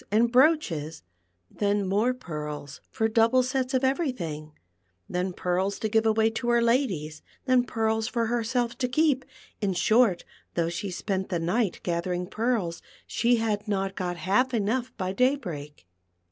19 and brooches, then more pearls for double sets of every thing , then pearls to give away to her ladies, then pearls for herself to keep; in short, though she spent the night gathering pearls, she had not got half enough by da\ break.